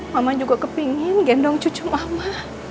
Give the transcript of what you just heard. mama juga kepingin gendong cucu mama